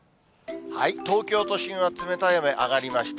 東京都心は冷たい雨、上がりました。